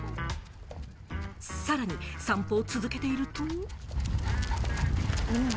さらに散歩を続けていると。